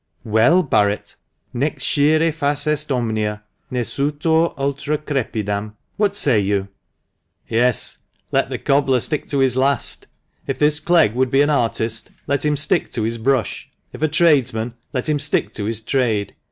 "Well, Barret, Nee scire fas est omnia ; Ne sutor idtra crepidam. What say you?" " Yes ; let the cobbler stick to his last. If this Clegg would be an artist, let him stick to his brush; if a tradesman, let him stick to his trade.